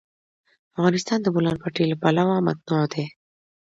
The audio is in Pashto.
افغانستان د د بولان پټي له پلوه متنوع دی.